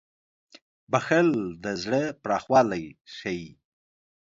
• بښل د زړه پراخوالی ښيي.